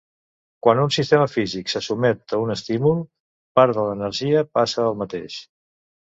Quan un sistema físic se sotmet a un estímul, part de l'energia passa al mateix.